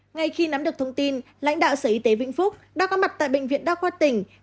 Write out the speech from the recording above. ngay khi nắm được thông tin lãnh đạo sở y tế vĩnh phúc đã có mặt tại bệnh viện đa khoa tỉnh